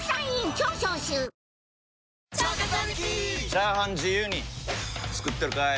チャーハン自由に作ってるかい！？